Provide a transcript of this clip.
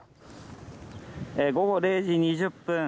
午後０時２０分